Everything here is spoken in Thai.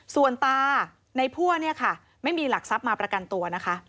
ส่วนตาในผัวไม่มีหลักทรัพย์มาประกันตัว